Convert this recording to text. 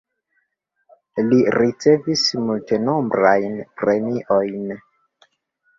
Li ricevis multenombrajn premiojn.